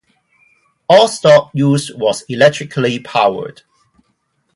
All stock used was electrically powered.